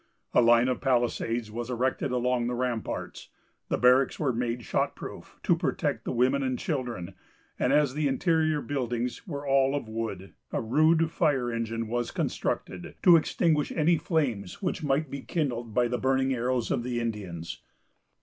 A line of palisades was erected along the ramparts; the barracks were made shot proof, to protect the women and children; and, as the interior buildings were all of wood, a rude fire engine was constructed, to extinguish any flames which might be kindled by the burning arrows of the Indians.